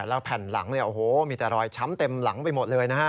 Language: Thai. แล้วแผ่นหลังมีแต่รอยช้ำเต็มหลังไปหมดเลยนะฮะ